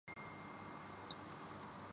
آپ نے میرے بھائی کو گالی دینے کی ہمت کیسے کی